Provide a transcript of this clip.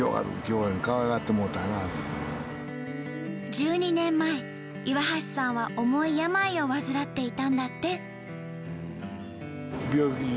１２年前岩橋さんは重い病を患っていたんだって。